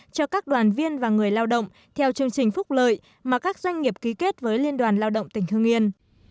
cho các đoàn viên và người lao động theo chương trình phúc lợi mà các doanh nghiệp ký kết với liên đoàn lao động tỉnh hương yên